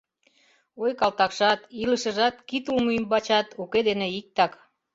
Ой, калтакшат, илышыжат, кид улмо ӱмбачат уке дене иктак.